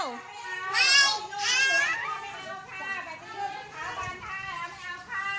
ไม่เอา